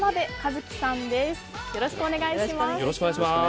よろしくお願いします。